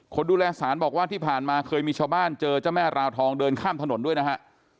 คนดูแลสารบอกว่าที่ผ่านมาเคยมีชาวบ้านเจอเจ้าแม่ราวทองเดินข้ามถนนด้วยนะฮะ